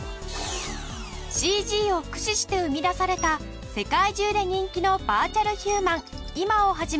ＣＧを駆使して生み出された世界中で人気のバーチャルヒューマンｉｍｍａを始め